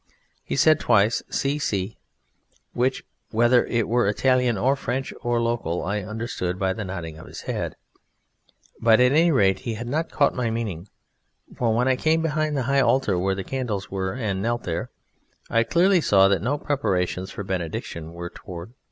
He said twice, "Si, si," which, whether it were Italian or French or local, I understood by the nodding of his head; but at any rate he had not caught my meaning, for when I came behind the high altar where the candles were, and knelt there, I clearly saw that no preparations for Benediction were toward.